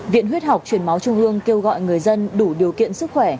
viện huyết học truyền máu trung ương kêu gọi người dân đủ điều kiện sức khỏe